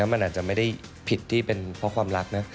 มันอาจจะไม่ได้ผิดที่เป็นเพราะความรักนะ